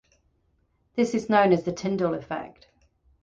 This is known as the Tyndall Effect.